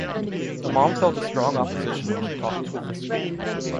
The mom felt a strong opposition when she talked with the school.